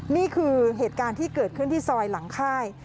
นี่คือเหตุการณ์ที่เกิดขึ้นที่ซอยหลังค่าย